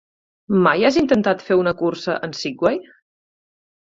Mai has intentat fer una cursa en Segway?